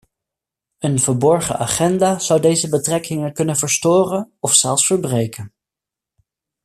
Een verborgen agenda zou deze betrekkingen kunnen verstoren of zelfs verbreken.